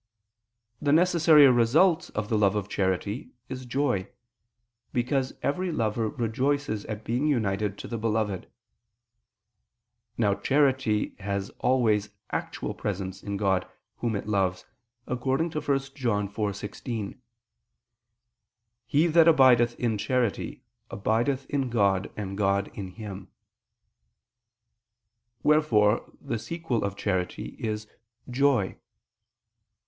The necessary result of the love of charity is joy: because every lover rejoices at being united to the beloved. Now charity has always actual presence in God Whom it loves, according to 1 John 4:16: "He that abideth in charity, abideth in God, and God in Him": wherefore the sequel of charity is "joy."